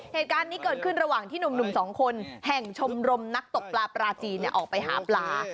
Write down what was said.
เหตุการณ์นี้เกิดขึ้นระหว่างที่หนุ่มสองคนแห่งชมรมนักตกปลาปลาจีนออกไปหาปลา